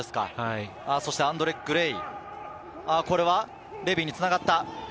そしてアンドレ・グレイ、これはレビーにつながった。